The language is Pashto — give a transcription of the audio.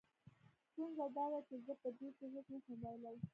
ستونزه دا ده چې زه په دې کې هېڅ نه شم ويلې.